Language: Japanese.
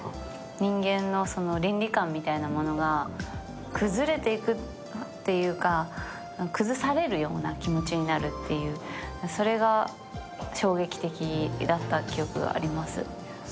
人間の倫理観みたいなものが崩れていくというか崩されるような気持ちになるっていう、それが衝撃的だった記憶があります。